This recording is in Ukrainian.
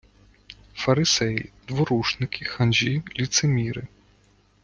Фарисеї - дворушники, ханжі, лицеміри